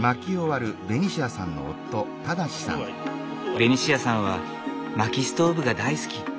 ベニシアさんは薪ストーブが大好き。